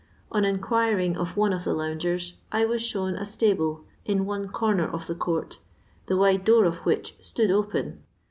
On inquiring of one of the loungers, I was shown a stable in one comer of the court, the wide door of which stood open.